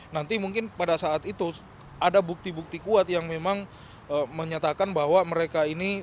nanti mungkin pada saat itu ada bukti bukti kuat yang memang menyatakan bahwa mereka ini